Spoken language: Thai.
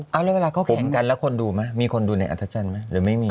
แบบว่าเค้าแข็งกันน่ะมีคนดูในอัศจรรย์ไหมหรือไม่มี